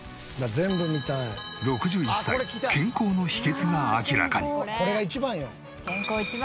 ６１歳健康の秘訣が明らかに。